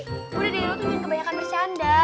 gue udah denger lo tunjukin kebanyakan bercanda